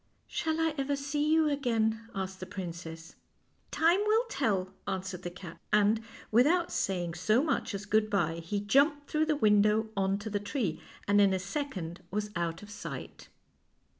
"Shall I ever see you again ?'; asked the princess. " Time will tell," answered the cat, and, with out saying so much as good by, he jumped through the window on to the tree, and in a sec ond was out of sight.